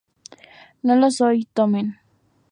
No lo soy... ¡Tomen!